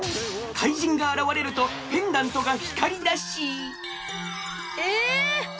怪人があらわれるとペンダントがひかりだしええ！？